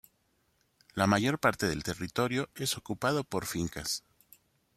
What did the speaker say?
La mayor parte del territorio es ocupado por fincas.